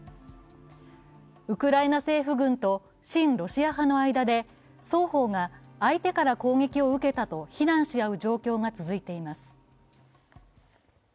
ウクライナ政府軍と親ロシア派の間で双方が相手から攻撃を受けたと非難し合う状況が続いています。